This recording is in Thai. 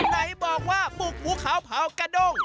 ไหนบอกว่าบุกภูเขาเผากระด้ง